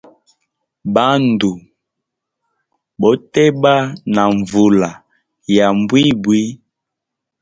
Bandu boteba na nvula ya mbwimbwi.